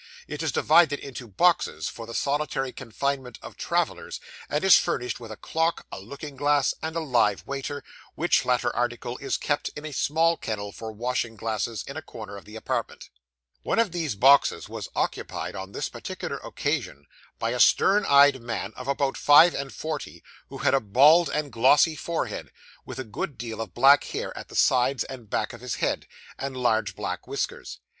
It is divided into boxes, for the solitary confinement of travellers, and is furnished with a clock, a looking glass, and a live waiter, which latter article is kept in a small kennel for washing glasses, in a corner of the apartment. One of these boxes was occupied, on this particular occasion, by a stern eyed man of about five and forty, who had a bald and glossy forehead, with a good deal of black hair at the sides and back of his head, and large black whiskers.